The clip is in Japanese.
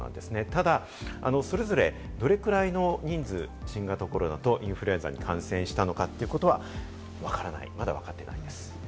ただそれぞれ、どれくらいの人数、新型コロナとインフルエンザに感染したのかということは、まだわかっていないんです。